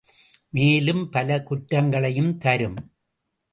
மேலும் பல குற்றங்களையும் தரும்.